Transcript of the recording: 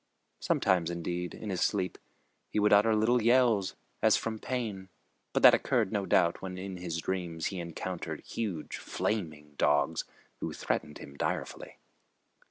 Sometimes, indeed, in his sleep, he would utter little yells, as from pain, but that occurred, no doubt, when in his dreams he encountered huge flaming dogs who threatened him direfully.